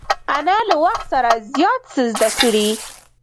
انا له وخت سره زیات څه زده کړي